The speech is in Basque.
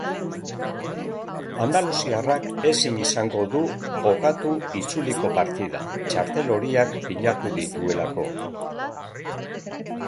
Andaluziarrak ezin izango du jokatu itzuliko partida txartel horiak pilatu dituelako.